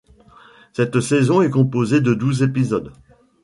Cette saison est composée de douze épisodes.